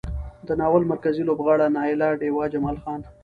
د ناول مرکزي لوبغاړي نايله، ډېوه، جمال خان،